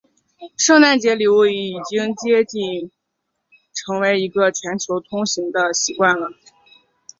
圣诞节送礼物已经接近成为一个全球通行的习惯了。